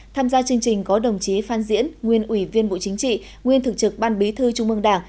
tham gia chương trình có đồng chí phan diễn nguyên ủy viên bộ chính trị nguyên thực trực ban bí thư trung mương đảng